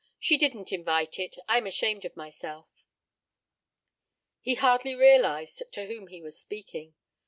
She didn't invite it. I am ashamed of myself." He hardly realized to whom he was speaking.